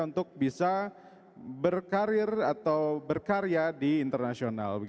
untuk bisa berkarir atau berkarya di internasional